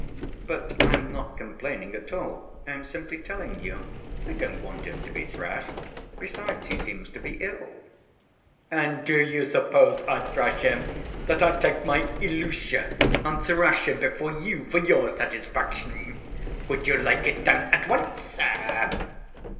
"But I am not complaining at all, I am simply telling you ... I don't want him to be thrashed. Besides, he seems to be ill." "And do you suppose I'd thrash him? That I'd take my Ilusha and thrash him before you for your satisfaction? Would you like it done at once, sir?"